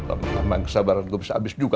abang kesabaran gue bisa abis juga